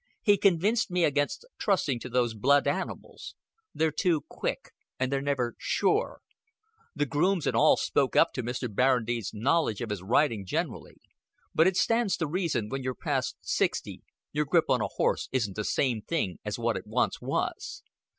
He convinced me against trusting to these blood animals. They're too quick, and they're never sure. The grooms an' all spoke up to Mr. Barradine's knowledge of his ridin' gen'rally; but it stands to reason, when you're past sixty your grip on a horse isn't the same thing as what it once was.